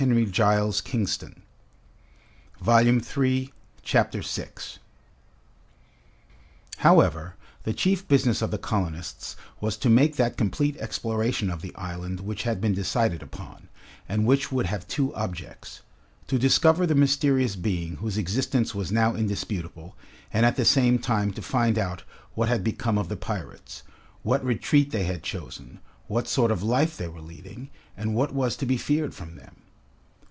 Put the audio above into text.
That remained to be seen. Chapter 6 However, the chief business of the colonists was to make that complete exploration of the island which had been decided upon, and which would have two objects: to discover the mysterious being whose existence was now indisputable, and at the same time to find out what had become of the pirates, what retreat they had chosen, what sort of life they were leading, and what was to be feared from them.